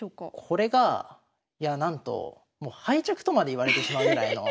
これがいやあなんと敗着とまで言われてしまうぐらいの。